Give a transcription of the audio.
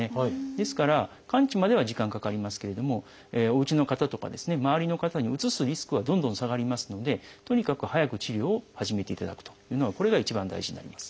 ですから完治までは時間かかりますけれどもおうちの方とか周りの方にうつすリスクはどんどん下がりますのでとにかく早く治療を始めていただくというのがこれが一番大事になります。